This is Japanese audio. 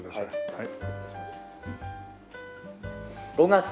はい。